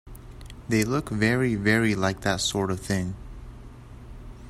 They look very, very like that sort of thing.